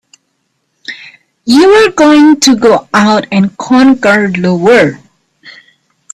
You were going to go out and conquer the world!